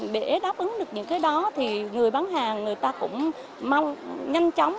để đáp ứng được những cái đó thì người bán hàng người ta cũng mong nhanh chóng